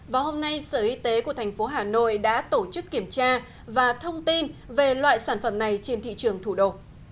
và hôm nay sở y tế của thành phố hà nội đã tổ chức kiểm tra và thông tin về loại sản phẩm này trên thị trường thủ đô